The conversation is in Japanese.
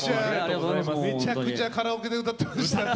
めちゃくちゃカラオケで歌ってましたね。